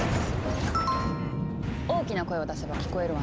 大きな声を出せば聞こえるわね。